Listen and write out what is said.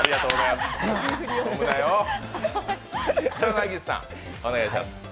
草薙さん、お願いします。